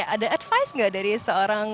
ada advice gak dari seorang